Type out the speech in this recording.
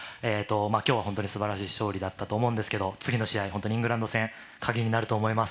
今日は本当にすばらしい勝利だったと思うんですけど次の試合、イングランド戦鍵になると思います。